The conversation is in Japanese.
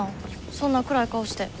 そんな暗い顔して。